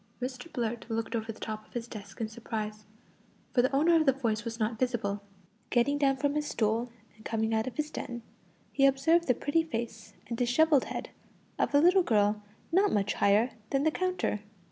Mr Blurt looked over the top of his desk in surprise, for the owner of the voice was not visible. Getting down from his stool, and coming out of his den, he observed the pretty face and dishevelled head of a little girl not much higher than the counter.